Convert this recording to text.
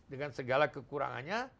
dengan segala kekurangannya